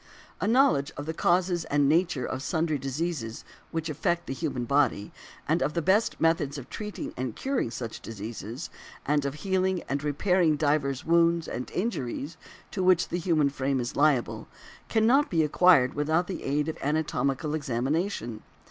A knowledge of the causes and nature of sundry diseases which affect the human body, and of the best methods of treating and curing such diseases, and of healing and repairing divers wounds and injuries to which the human frame is liable, cannot be acquired without the aid of anatomical examination.